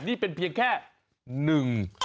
นี่เป็นเพียงแค่หนึ่ง